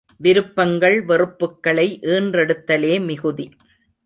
விருப்பங்கள் வெறுப்புக்களை ஈன்றெடுத்தலே மிகுதி.